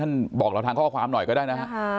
บอกเราทางข้อความหน่อยก็ได้นะฮะ